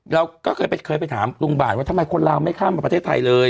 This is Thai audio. เราก็เคยไปถามลุงบ่านว่าทำไมคนลาวไม่ข้ามมาประเทศไทยเลย